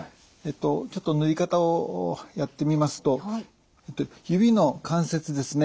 ちょっと塗り方をやってみますと指の関節ですね